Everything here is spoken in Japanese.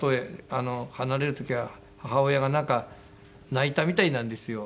離れる時は母親がなんか泣いたみたいなんですよ。